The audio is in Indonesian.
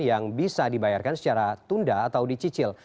yang bisa dibayarkan secara tunda atau dicicil